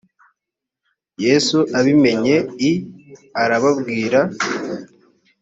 yesu abimenye i arababwira